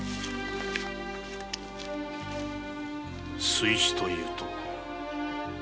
水死というと。